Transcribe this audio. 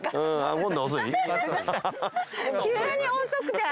急に遅くて。